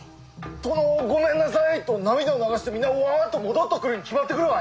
「殿ごめんなさい」と涙を流して皆わっと戻っとくるに決まっとるわい！